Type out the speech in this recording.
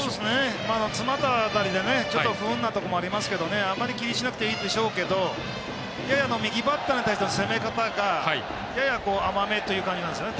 詰まった当たりでちょっと不運なところもありますけどあまり気にしなくていいでしょうけど右バッターに対しての攻め方がやや甘めという感じなんですね